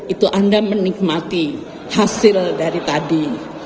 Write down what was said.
itu anda menikmati hasil dari tadi